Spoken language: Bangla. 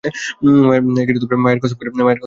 মায়ের কসম করে বলছি!